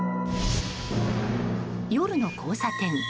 夜の交差点。